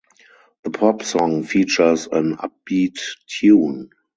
The pop song features an upbeat tune.